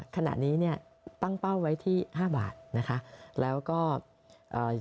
ขณะนี้เนี่ยตั้งเป้าไว้ที่ห้าบาทนะคะแล้วก็เอ่อ